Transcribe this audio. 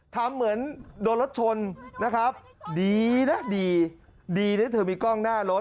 ทำเหมือนโดนรถชนนะครับดีนะดีดีนะเธอมีกล้องหน้ารถ